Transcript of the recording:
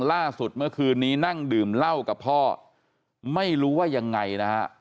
ล่าสุดเมื่อคืนนี้นั่งดื่มเหล้ากับพ่อไม่รู้ว่ายังไงนะฮะ